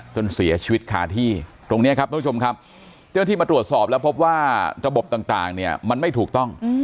จนเสียชีวิตคาที่ตรงนี้ครับทุกผู้ชมครับเจ้าหน้าที่มาตรวจสอบแล้วพบว่าระบบต่างเนี่ยมันไม่ถูกต้อง